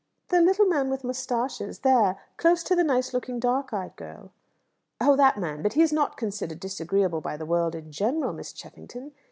"The little man with moustaches. There. Close to the nice looking, dark eyed girl." "Oh, that man? But he is not considered disagreeable by the world in general, Miss Cheffington!